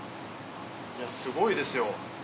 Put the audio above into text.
いやすごいですよ。